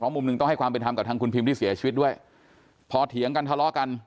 มุมหนึ่งต้องให้ความเป็นธรรมกับทางคุณพิมที่เสียชีวิตด้วยพอเถียงกันทะเลาะกัน